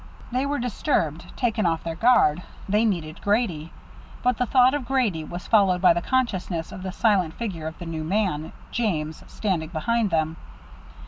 They were disturbed, taken off their guard; they needed Grady. But the thought of Grady was followed by the consciousness of the silent figure of the new man, James, standing behind them.